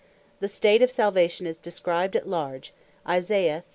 The state of Salvation is described at large, Isaiah, 33.